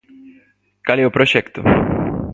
¿Cal é o proxecto?